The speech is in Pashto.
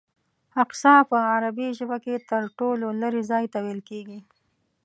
اقصی په عربي ژبه کې تر ټولو لرې ځای ته ویل کېږي.